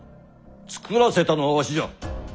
作らせたのはわしじゃ。